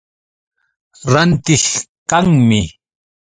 Rantiq kanmi.